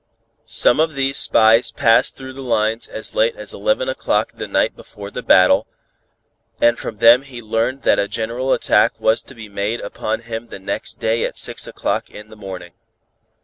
Some of these spies passed through the lines as late as eleven o'clock the night before the battle, and from them he learned that a general attack was to be made upon him the next day at six o'clock in the morning.